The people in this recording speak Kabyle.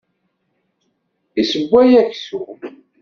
Isewway aksum.